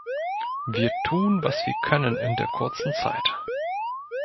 Wir tun, was wir können in der kurzen Zeit.